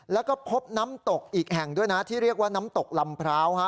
แล้วก็พบน้ำตกอีกแห่งด้วยนะที่เรียกว่าน้ำตกลำพร้าว